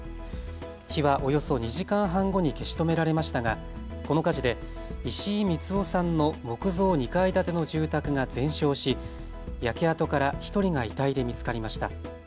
火はおよそ２時間半後に消し止められましたがこの火事で石井光男さんの木造２階建ての住宅が全焼し焼け跡から１人が遺体で見つかりました。